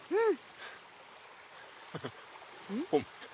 うん。